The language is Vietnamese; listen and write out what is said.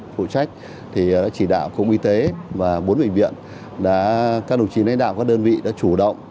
phụ trách thì trị đạo công y tế và bốn bệnh viện đã các đồng chí lãnh đạo các đơn vị đã chủ động